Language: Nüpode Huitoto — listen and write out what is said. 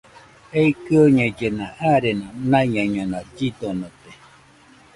Ei kɨoñellena arena naiñañona llidonote